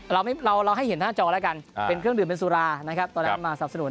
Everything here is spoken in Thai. เราให้เห็นหน้าจอแล้วกันเป็นเครื่องดื่มเป็นสุรานะครับตอนนั้นมาสับสนุน